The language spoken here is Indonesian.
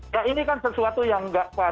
ya ini kan sesuatu yang nggak pas